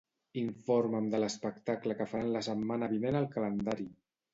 Informa'm de l'espectacle que faran la setmana vinent al calendari.